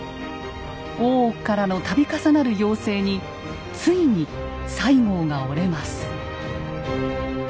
大奥からの度重なる要請についに西郷が折れます。